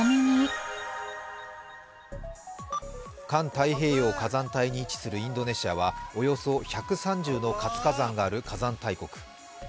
環太平洋火山帯に位置するインドネシアはおよそ１３０の活火山がある火山大国。